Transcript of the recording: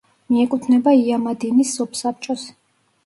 მიეკუთვნება იამადინის სოფსაბჭოს.